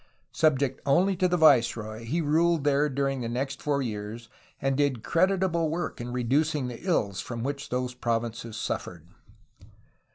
Subject only to the viceroy he ruled there during the next four years, and did creditable work in reducing the ills from which those provinces suffered.